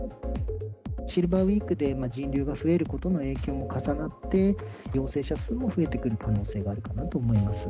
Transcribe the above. シルバーウィークで人流が増えることの影響が重なって、陽性者数も増えてくる可能性があるかなと思います。